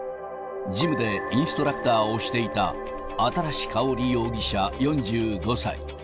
ジムでインストラクターをしていた新かほり容疑者４５歳。